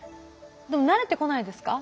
でも慣れてこないですか？